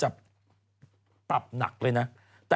จากกระแสของละครกรุเปสันนิวาสนะฮะ